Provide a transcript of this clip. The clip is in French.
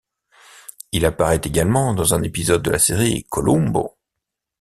Il apparaît également dans un épisode de la série Columbo.